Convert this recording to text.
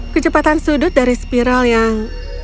kecepatan sudut dari spiral yang